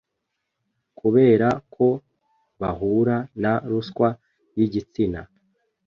kubera ko bahura na ruswa y’igitsina